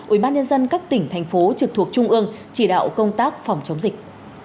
ủy ban nhân dân các tỉnh thành phố trực thuộc trung ương chỉ đạo công tác phòng chống dịch